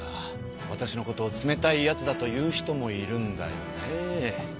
わたしのことを「冷たいやつ」だと言う人もいるんだよねえ。